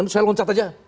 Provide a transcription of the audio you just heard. saya loncat saja